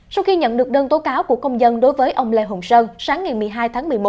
sau khi nhận được đơn tố cáo của công dân đối với ông lê hồng sơn sáng ngày một mươi hai tháng một mươi một